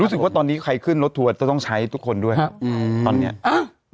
รู้สึกว่าตอนนี้ใครขึ้นรถถั่วต้องใช้ให้ทุกคนด้วยตอนนี้